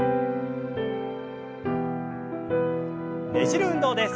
ねじる運動です。